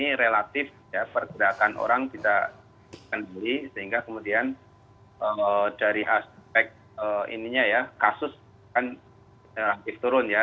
ini relatif pergerakan orang tidak berdiri sehingga kemudian dari aspek kasus kan relatif turun ya